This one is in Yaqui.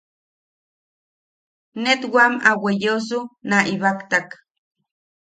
Net wam a weyeosu na ibaktak: